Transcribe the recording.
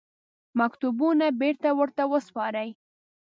مکتوبونه بېرته ورته وسپاري.